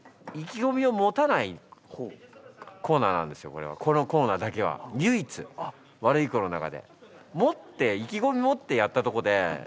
あのこのコーナーだけは唯一「ワルイコ」の中で。